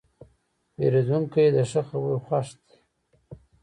پیرودونکی د ښه خبرو خوښ دی.